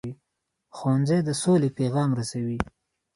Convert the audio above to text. ښوونځی د سولې پیغام رسوي